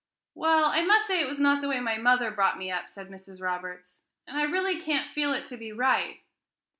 "Well, I must say it was not the way my mother brought me up," said Mrs. Roberts; "and I really can't feel it to be right."